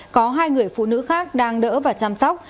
có hai người phụ nữ khác đang đỡ và chăm sóc